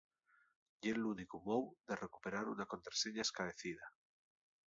Ye l'únicu mou de recuperar una contraseña escaecida.